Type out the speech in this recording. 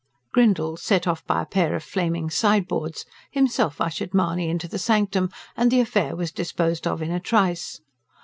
Grindle, set off by a pair of flaming "sideboards," himself ushered Mahony into the sanctum, and the affair was disposed of in a trice.